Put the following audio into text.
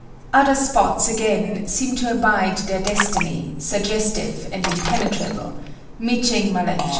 Other spots again seem to abide their destiny, suggestive and impenetrable, "miching mallecho."